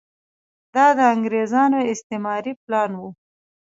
دا د انګریزانو استعماري پلان و.